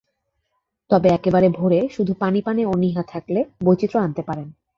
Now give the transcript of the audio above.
তবে একেবারে ভোরে শুধু পানি পানে অনীহা থাকলে বৈচিত্র্য আনতে পারেন।